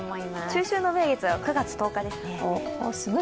中秋の名月は９月１０日ですね。